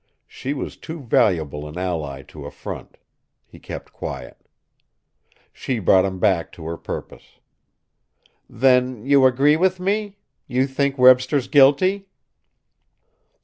She was too valuable an ally to affront. He kept quiet. She brought him back to her purpose. "Then, you agree with me? You think Webster's guilty?"